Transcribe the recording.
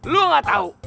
lo gak tau